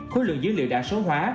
khối lượng dữ liệu đã số hóa